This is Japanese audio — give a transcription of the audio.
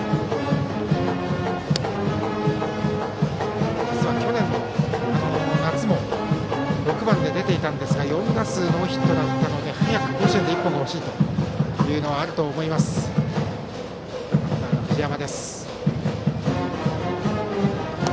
実は去年の夏も６番で出ていたんですが４打数ノーヒットだったので早く甲子園で１本欲しいというのがあると思います藤山。